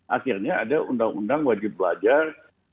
akhirnya ada undang undang wajib belajar